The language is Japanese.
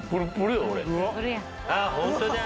あっホントだ。